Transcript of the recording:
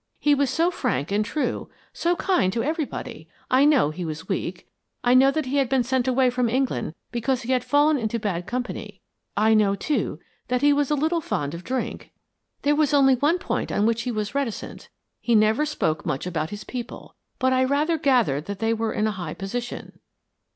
He was so frank and true, so kind to everybody! I know he was weak I know that he had been sent away from England because he had fallen into bad company; I know, too, that he was a little fond of drink. There was only one point on which he was reticent he never spoke much about his people; but I rather gathered that they were in a high position."